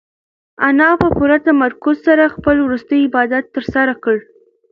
انا په پوره تمرکز سره خپل وروستی عبادت ترسره کړ.